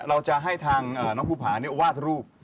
เราจะให้ทางน้องภูผาวาดรูป